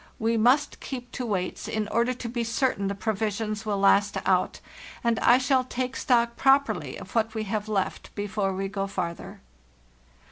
We must keep to weights in order to be certain the pro visions will last out, and I shall take stock properly of what we have left before we go farther.